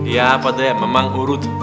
ya padahal memang urut